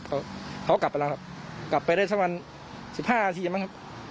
เขาเขากลับไปแล้วครับกลับไปได้สักประมาณสิบห้านาทีมั้งครับ